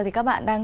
thì các bạn đang